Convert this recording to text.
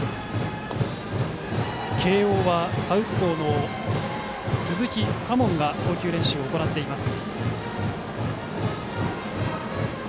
慶応はサウスポーの鈴木佳門が投球練習を行っています。